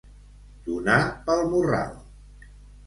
Donar pel morral.